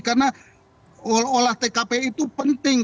karena olah tkp itu penting